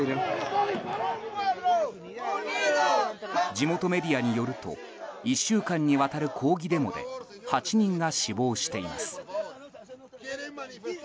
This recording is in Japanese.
地元メディアによると１週間にわたる抗議デモで８人が死亡しています。